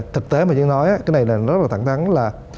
thực tế mà như nói cái này là rất là thẳng thắng là